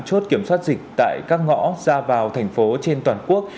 chốt kiểm soát dịch tại các ngõ ra vào thành phố trên toàn quốc